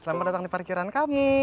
selamat datang di parkiran kami